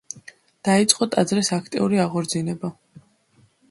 დაიწყო ტაძრის აქტიური აღორძინება.